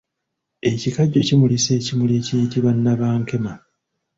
Ekikajjo kimulisa ekimuli ekiyitibwa nabankema.